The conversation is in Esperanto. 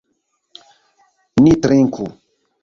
Ni trinku!